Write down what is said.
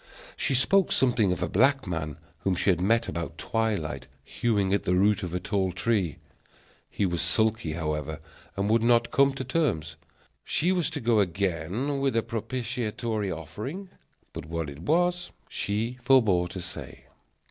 She spoke something of a black man, whom she had met about twilight hewing at the root of a tall tree. He was sulky, however, and would not come to terms; she was to go again with a propitiatory offering, but what it was she forbore to say.